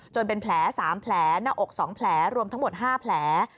เป็นแผล๓แผลหน้าอก๒แผลรวมทั้งหมด๕แผล